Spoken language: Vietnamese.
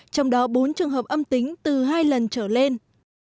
trong đó bốn trường hợp âm tính từ hai lần trở lên